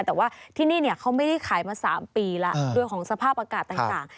แต่ว่าที่นี่เขาไม่ได้ขายมา๓ปีแล้วด้วยของสภาพอากาศต่าง